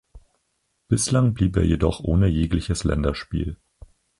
Bislang blieb er jedoch ohne jegliches Länderspiel.